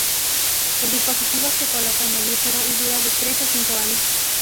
El dispositivo se coloca en el útero y dura de tres a cinco años.